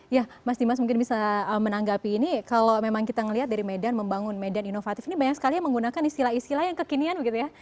ya mas dimas mungkin bisa menanggapi ini kalau memang kita melihat dari medan membangun medan inovatif ini banyak sekali yang menggunakan istilah istilah yang kekinian begitu ya